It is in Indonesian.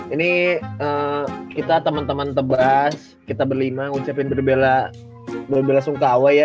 ini kita temen temen tebas kita berlima ngucapin berbela bela sungkawa ya